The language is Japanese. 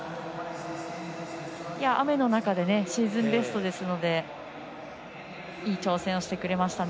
雨の中でシーズンベストですのでいい挑戦をしてくれましたね。